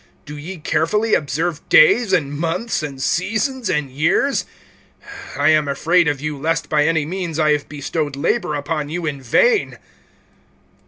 (10)Do ye carefully observe days, and months, and seasons, and years? (11)I am afraid of you, lest by any means I have bestowed labor upon you in vain.